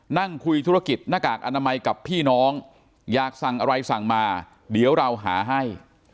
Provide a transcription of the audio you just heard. นั่งคุยธุรกิจหน้ากากอนามัยกับพี่น้องอยากสั่งอะไรสั่งมาเดี๋ยวเราหาให้